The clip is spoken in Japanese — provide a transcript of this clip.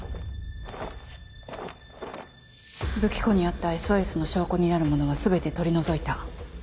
武器庫にあった「ＳＯＳ」の証拠になるものは全て取り除いた。